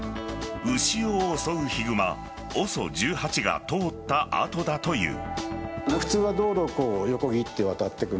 牛を襲うヒグマＯＳＯ１８が通った跡だという。